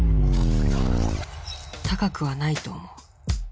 高くはないと思う。